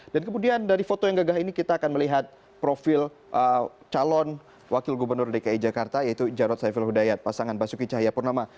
dan kemudian dari foto yang gagah ini kita akan melihat profil calon wakil gubernur dki jakarta yaitu jarod saifil hudayat pasangan basuki cahaya purnama